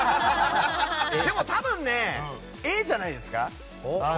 でも、多分Ａじゃないですか。